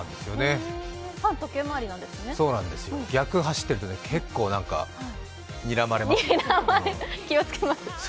逆走ってると、結構にらまれます。